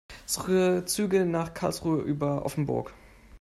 Suche Züge nach Karlsruhe über Offenburg.